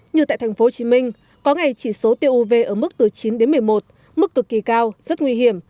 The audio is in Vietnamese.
như tại tp hcm có ngày chỉ số tiêu uv ở mức từ chín đến một mươi một mức cực kỳ cao rất nguy hiểm